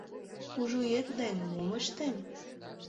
Кужуэт ден мом ыштем?